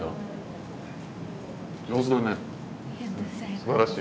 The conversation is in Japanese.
すばらしい。